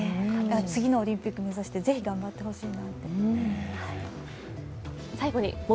次のオリンピック目指してぜひ頑張ってほしいな。